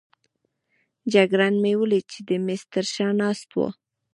جګړن مې ولید چې د مېز تر شا ناست وو.